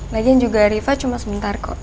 lagi juga riva cuma sebentar kok